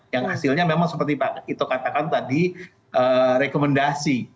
yang hasilnya memang seperti pak ito katakan tadi rekomendasi